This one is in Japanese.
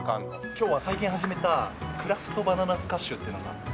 今日は最近始めたクラフトバナナスカッシュっていうのがあって。